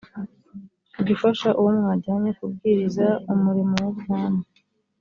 jya ufasha uwo mwajyanye kubwiriza umurimo w’ubwami